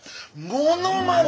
モノマネ！